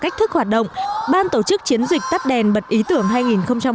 cách thức hoạt động ban tổ chức chiến dịch tắt đèn bật ý tưởng hai nghìn một mươi chín